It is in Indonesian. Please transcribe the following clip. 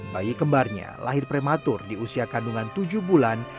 bayi kembarnya lahir prematur di usia kandungan tujuh bulan